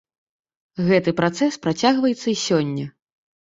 Гэты працэс працягваецца і сёння.